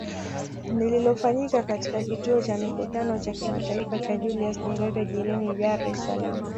Lililofanyika katika kituo cha Mikutano cha Kimataifa cha Julius Nyerere jijini Dar es Salaam